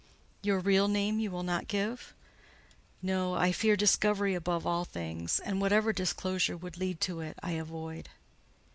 "Your real name you will not give?" "No: I fear discovery above all things; and whatever disclosure would lead to it, I avoid."